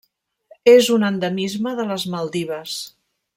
És un endemisme de les Maldives.